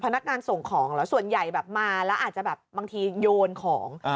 พนักงานส่งของเหรอส่วนใหญ่แบบมาแล้วอาจจะแบบบางทีโยนของ